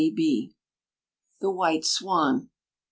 THE WHITE SWAN.